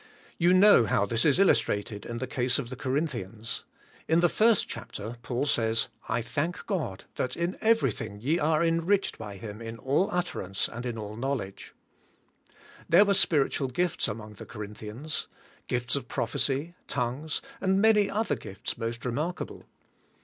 You know how this is illustrated in the case of the Corinthians. In the 1st chapter Paul says, "I thank God that in everything 3'e are en riched by him in all utterance and in all knowledge." CARNAIv OR SPIRITUAI,. 7 There we£e_s£irituaLgifts among the Corinthians: gifts of prophecy, tong ues, and many other gifts most remarkable.